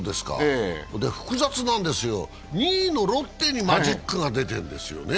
複雑なんですよ、２位のロッテにマジックが出てるんですよ。